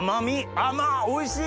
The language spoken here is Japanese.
甘おいしい！